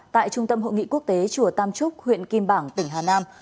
tại trung tâm hội nghị quốc tế chùa tam trúc huyện kim bảng tỉnh hà nam